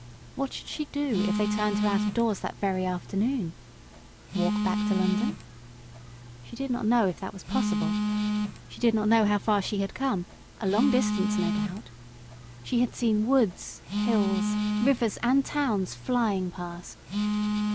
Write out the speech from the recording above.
What should she do if they turned her out of doors that very afternoon? Walk back to London? She did not know if that was possible. She did not know how far she had come a long distance, no doubt. She had seen woods, hills, rivers, and towns flying past.